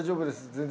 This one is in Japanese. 全然。